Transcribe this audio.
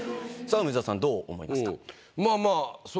梅沢さんどう思いますか？